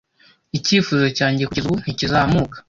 icyifuzo cyanjye kugeza ubu ntikizamuka